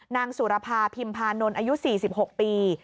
นางสุรพาพิมพานนท์อายุสี่สิบหกปี